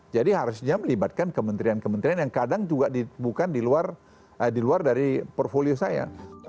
jadi harusnya melibatkan kementerian kementerian yang kadang juga bukan di luar dari portfolio saya